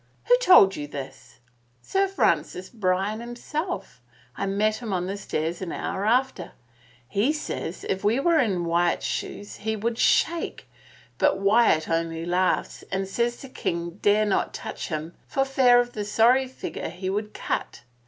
Who told you this?" Sir Francis Bryan himself. I met him on the stairs an hour after. He says if he were in Wyatt's shoes he 84 ti CALUMNY Ivould shake, but Wyatt only laughs and says the king dare not touch him for fear of the sorry figure he would cut.